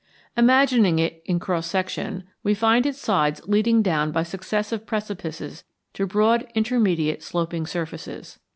Imagining it in cross section, we find its sides leading down by successive precipices to broad intermediate sloping surfaces.